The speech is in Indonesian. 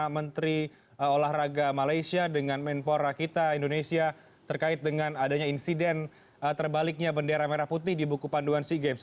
menteri olahraga malaysia dengan menpora kita indonesia terkait dengan adanya insiden terbaliknya bendera merah putih di buku panduan sea games